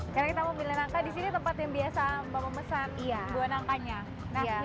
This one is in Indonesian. karena kita memilih nangka di sini tempat yang biasa bapak pesan buah nangkanya